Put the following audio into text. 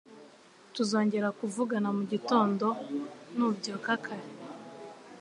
Tuzongera kuvugana mugitondo nu byuka kare.